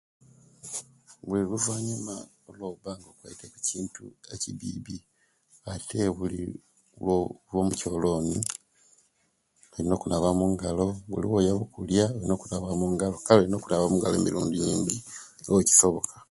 Ye oluvanyuma olwoba nga okwaaite kuchintu ekibibi ate buli olwova mucholoni olina okunaba mungalo buli owoyaba okulia olina okunaba mungalo kale olina okunaba mungalo emirundi mingi nga owekisoboka